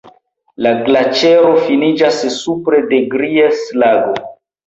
La glaĉero finiĝas supre de Gries-Lago.